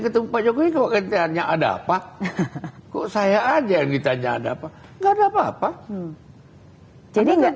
ketemu pak jokowi kok ditanya ada apa kok saya aja yang ditanya ada apa enggak ada apa apa jadi nggak